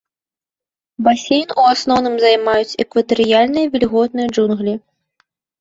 Басейн у асноўным займаюць экватарыяльныя вільготныя джунглі.